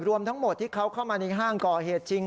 รวมทั้งหมดที่เขาเข้ามาในห้างก่อเหตุจริง